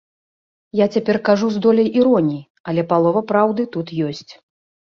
Я цяпер кажу з доляй іроніі, але палова праўды тут ёсць.